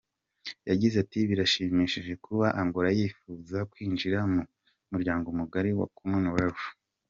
Yagize ati “Birashimishije kuba Angola yifuza kwinjira mu muryango mugari wa Commonwealth”.